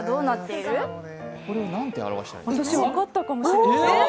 私、分かったかもしれない。